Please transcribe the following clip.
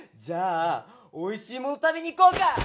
じゃあおいしいもの食べに行こうか！